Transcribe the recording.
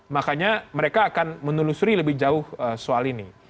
makanya mereka akan menelusuri lebih jauh soal ini